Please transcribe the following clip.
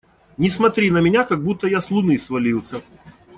Не смотри на меня, как будто я с Луны свалился!